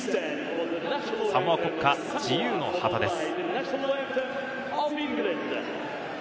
サモア国歌『自由の旗』です。